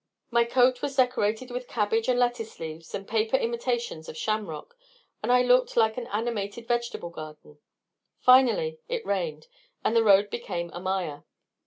My coat was decorated with cabbage and lettuce leaves and paper imitations of shamrock, and I looked like an animated vegetable garden. Finally it rained; and the road became a mire.